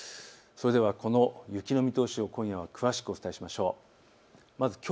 この雪の見通しを今夜は詳しくお伝えしましょう。